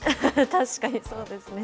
確かにそうですね。